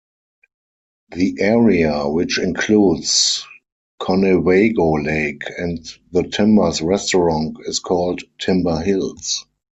The area which includes Conewago Lake and the Timbers Restaurant is called Timber Hills.